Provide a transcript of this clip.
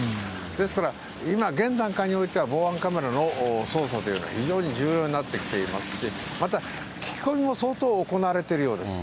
ですから、今現段階においては、防犯カメラの捜査というのは非常に重要になってきていますし、また聞き込みも相当行われているようです。